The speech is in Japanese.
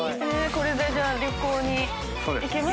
これでじゃあ旅行に行けますね。